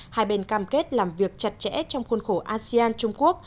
hai bên cam kết làm việc chặt chẽ trong khuôn khổ asean trung quốc